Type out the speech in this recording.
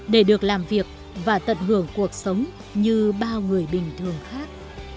để được làm việc và tận hưởng cuộc sống như bao người bình thường khác